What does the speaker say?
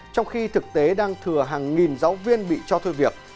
trong khi thực tế đang thừa hàng nghìn giáo viên bị cho thôi việc